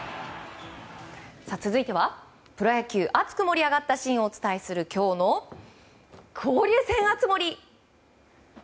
続いては、プロ野球熱く盛り上がったシーンをお伝えするきょうの交流戦、熱盛！